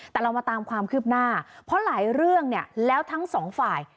แต่เรามาตามความคืบหน้าเพราะหลายเรื่องเนี่ยแล้วทั้งสองฝ่าย